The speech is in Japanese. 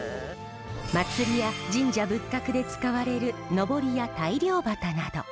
祭りや神社仏閣で使われるのぼりや大漁旗など。